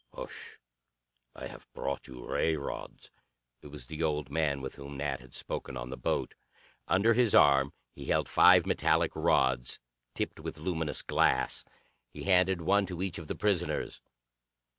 "Hush! I have brought you ray rods!" It was the old man with whom Nat had spoken on the boat. Under his arm he held five metallic rods, tipped with luminous glass. He handed one to each of the prisoners.